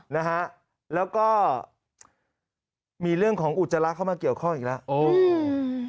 นะฮะแล้วก็มีเรื่องของอุจจาระเข้ามาเกี่ยวข้องอีกแล้วอืม